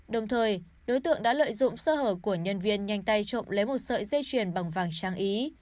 đồng thời đối tượng đã lợi dụng sơ hở của nhân viên nhanh tay trộm lấy một sợi dây chuyền bằng vàng trang ý